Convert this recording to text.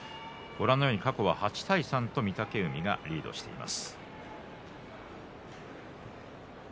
過去は８対３で御嶽海がリードしています。